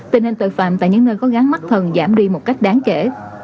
tình hình tội phạm tại những nơi có gắn mắt thần giảm đi một cách đáng kể